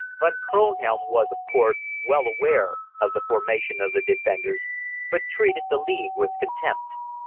Von Kronhelm was, of course, well aware of the formation of the Defenders, but treated the League with contempt.